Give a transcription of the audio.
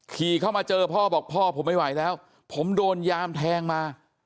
ขี่เข้ามาเจอพ่อบอกพ่อผมไม่ไหวแล้วผมโดนยามแทงมา